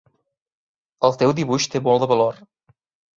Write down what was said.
El teu dibuix té molt de valor.